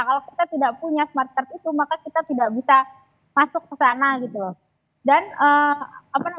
kalau kita tidak punya smart itu maka kita tidak bisa masuk ke sana gitu loh